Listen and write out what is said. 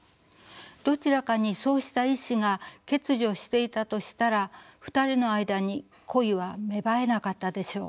どちらかにそうした意志が欠如していたとしたら２人の間に恋は芽生えなかったでしょう。